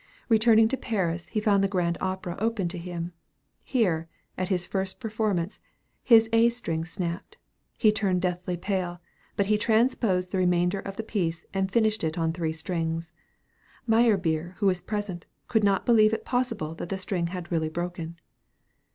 Returning to Paris, he found the Grand Opera open to him. Here, at his first performance, his a string snapped; he turned deathly pale, but he transposed the remainder of the piece, and finished it on three strings. Meyerbeer, who was present, could not believe it possible that the string had really broken.